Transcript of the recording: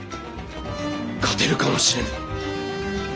勝てるかもしれぬ。